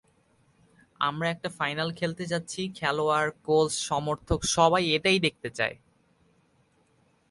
আমরা একটা ফাইনাল খেলতে যাচ্ছি—খেলোয়াড়, কোচ, সমর্থক সবাই এটাই দেখতে চায়।